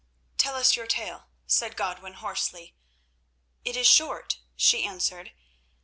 "Tell us your tale," said Godwin hoarsely. "It is short," she answered.